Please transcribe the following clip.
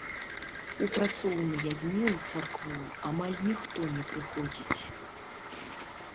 У працоўныя дні ў царкву амаль ніхто не прыходзіць.